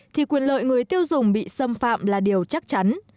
thì quyền lợi người tiêu dùng bị xâm phạm là điều chắc chắn